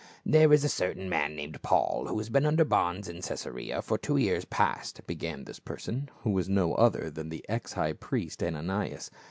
" There is a certain man named Paul who has been under bonds in Caesarea for two years past," began this person, who was no other than the ex high priest, Ananias.